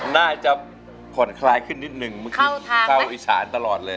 น่าจะผ่อนคลายขึ้นนิดนึงเมื่อกี้เข้าอีสานตลอดเลย